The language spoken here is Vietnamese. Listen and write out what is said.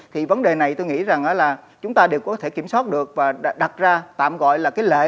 thì vấn đề này tôi nghĩ rằng là chúng ta đều có thể kiểm soát được và đặt ra tạm gọi là cái lệ